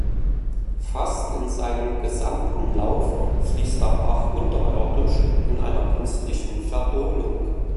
Fast in seinem gesamten Lauf fließt der Bach unterirdisch in einer künstlichen Verdolung.